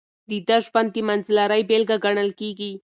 د ده ژوند د منځلارۍ بېلګه ګڼل کېږي.